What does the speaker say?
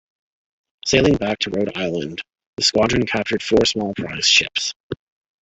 Sailing back to Rhode Island, the squadron captured four small prize ships.